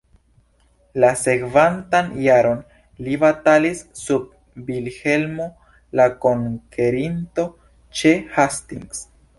La sekvantan jaron li batalis sub Vilhelmo la Konkerinto ĉe Hastings.